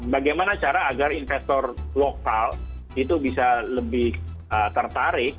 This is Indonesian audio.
bagaimana cara agar investor lokal itu bisa lebih tertarik